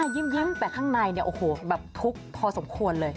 ยิ้มไปข้างในโอ้โหแบบทุกข์พอสมควรเลย